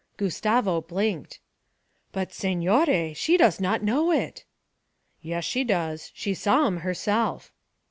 Gustavo blinked. 'But, signore, she does not know it.' 'Yes, she does she saw 'em herself.'